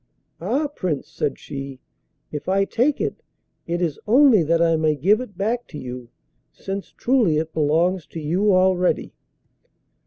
'Ah! Prince,' said she, 'if I take it, it is only that I may give it back to you, since truly it belongs to you already.